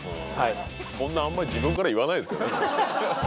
そんなあんまり自分から言わないですけどね